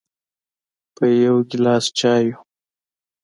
په یو ګیلاس چایو